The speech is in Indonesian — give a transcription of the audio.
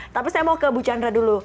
tapi saya mau ke bu chandra dulu